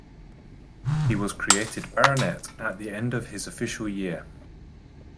He was created Baronet at the end of his official year.